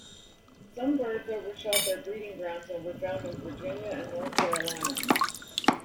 Some birds overshot their breeding grounds and were found in Virginia and North Carolina.